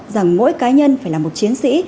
rằng mỗi cá nhân phải là một chiến sĩ